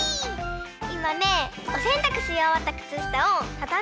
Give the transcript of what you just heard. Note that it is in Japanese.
いまねおせんたくしおわったくつしたをたたんでるんだよ！